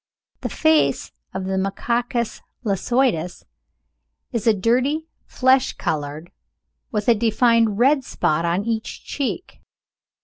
The face of Macacus lasiotus is dirty flesh coloured, with a defined red spot on each cheek.